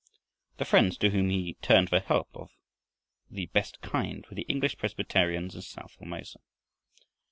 The friends to whom he turned for help of the best kind were the English Presbyterians in south Formosa.